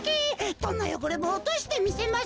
どんなよごれもおとしてみせます。